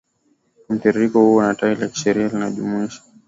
kwa mtiririko huo na tawi la kisheria linalojumuisha